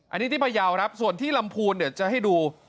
อันนี้ที่ประยาวรับส่วนที่ลำพูนจะให้ดู